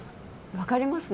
分かりますね。